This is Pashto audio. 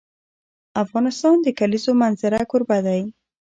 افغانستان د د کلیزو منظره کوربه دی.